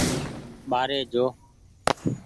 ٻآري جو۔